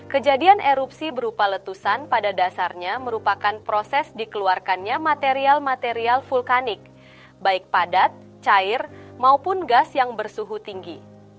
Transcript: kejadian erupsi berupa letusan pada dasarnya merupakan proses dikeluarkannya material material vulkanik baik padat cair maupun gas yang bersuhu tinggi